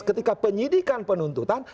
ketika penyidikan penuntutan